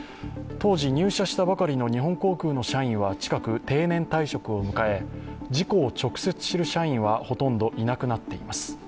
当時、入社したばかりの日本航空の社員は近く定年退職を迎え事故を直前知る社員はほとんどいなくなっています。